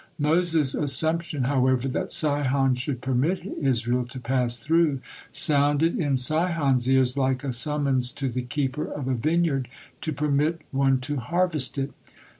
Moses' assumption, however, that Sihon should permit Israel to pass through sounded in Sihon's ears like a summons to the keeper of a vineyard to permit one to harvest it.